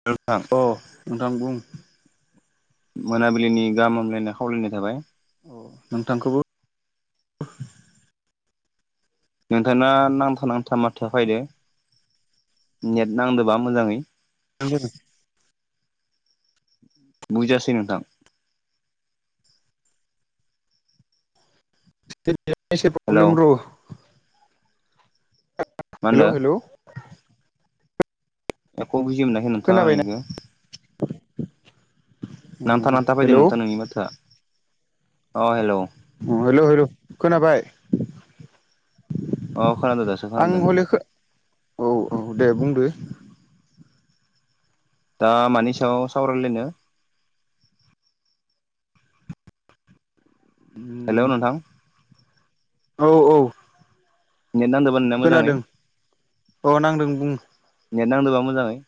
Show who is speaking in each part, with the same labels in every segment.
Speaker 1: [unintelligible]
Speaker 2: आ नोंथां बुं।
Speaker 1: मोनाबिलिनि गाहाम हामलायनाय खावलायनाय थाबाय।
Speaker 2: अ नोंथांखोबो
Speaker 1: नोंथांना नांथा नांथा माथो फायदो नेट नांदोंबा मोजांङैनो?
Speaker 2: नोंओ [unintelligible]
Speaker 1: बुजियासै नोंथां
Speaker 2: एसे
Speaker 1: हेलौ
Speaker 2: प्रब्लेम र' [unintelligible]
Speaker 1: मा होनदो
Speaker 2: हेलौ-हेलौ
Speaker 1: एख' बुजि मोनाखै नोंथांङा
Speaker 2: खोनाबायना
Speaker 1: आंनिखो? नांथा नांथा फैदों
Speaker 2: हेलौ
Speaker 1: नोंथां नोंनि माथोआ अ हेलौ
Speaker 2: औ हेलौ हेलौ खोनाबाय
Speaker 1: अ खोनादो दासो
Speaker 2: आं
Speaker 1: खोनादो नोंथां
Speaker 2: हलेखो औ औ दे बुंदो
Speaker 1: दा मानि सायाव सावरायलायनो?
Speaker 2: उम
Speaker 1: हेलौ नोंथां
Speaker 2: औ औ
Speaker 1: नेट नांदोंबा नोंनिया मोजांङै
Speaker 2: खोनादों औ नांदों बुं
Speaker 1: नेट नांदोबा मोजांङै?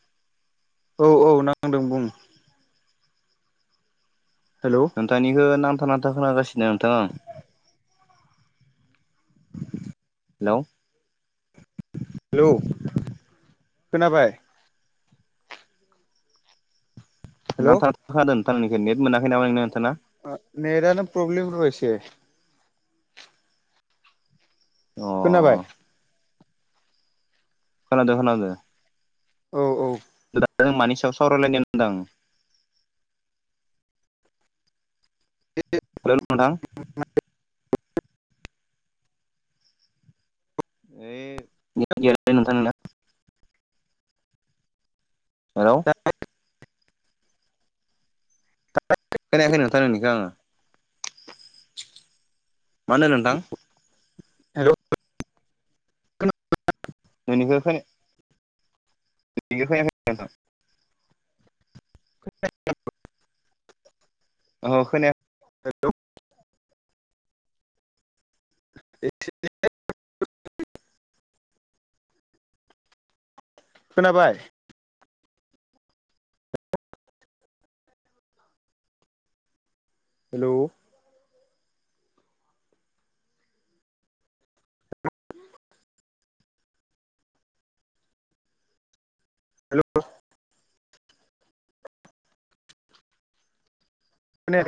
Speaker 2: औ औ नांदों बुं हेलौ
Speaker 1: नोंथांनिखो नांथा नांथा खोनागासिनो नोंथां आं हेलौ
Speaker 2: हेलौ खोनाबाय हेलौ
Speaker 1: नांथा नांथा खोनादों नोंथांनिखौ नेट मोनाखै नामा नों नोंथांना
Speaker 2: ओ नेटदानो प्रब्लेम र' एसे
Speaker 1: अ
Speaker 2: खोनाबाय
Speaker 1: खोनादों खोनादों
Speaker 2: औ औ
Speaker 1: [unintelligible] मानि सायाव सावरायलायनाय होनदों
Speaker 2: बे [unintelligible]
Speaker 1: हेलौ नोंथां
Speaker 2: [unintelligible]
Speaker 1: नै [unintelligible] गेरबाय नोंथां ना [unintelligible] हेलौ खोनायाखै नोंथां नोंनिखो आंङो मा होनोदों नोंथां?
Speaker 2: हेलौ
Speaker 1: नोंनिखो खोना नोंनिखो खोनायाखै नोंथां
Speaker 2: [unintelligible]
Speaker 1: औ खोनाया
Speaker 2: एसे [unintelligible] खोनाबाय? हेलौ हेलौ खोनाया